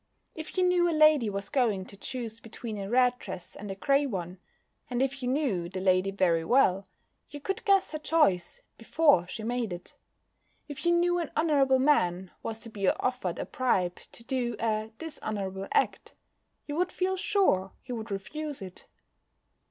If you knew a lady was going to choose between a red dress and a grey one, and if you knew the lady very well, you could guess her choice before she made it. If you knew an honourable man was to be offered a bribe to do a dishonourable act, you would feel sure he would refuse it.